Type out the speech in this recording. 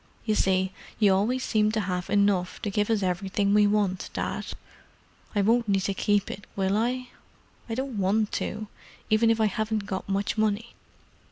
You see, you always seem to have enough to give us everything we want, Dad. I won't need to keep it, will I? I don't want to, even if I haven't got much money."